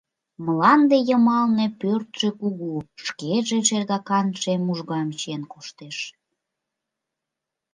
Мланде йымалне пӧртшӧ кугу, шкеже шергакан шем ужгам чиен коштеш.